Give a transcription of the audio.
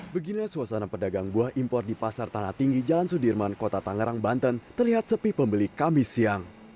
beginilah suasana pedagang buah impor di pasar tanah tinggi jalan sudirman kota tangerang banten terlihat sepi pembeli kamis siang